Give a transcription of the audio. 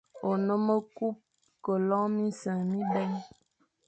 Nnôm e ku ke lon minseñ mibè.